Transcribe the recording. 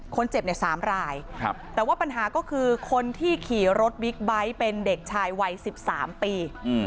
คนเจ็บเนี่ย๓รายแต่ว่าปัญหาก็คือคนที่ขี่รถบิ๊กไบท์เป็นเด็กชายวัย๑๓ปี